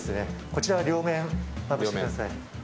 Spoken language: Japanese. こちらを両面まぶしてください。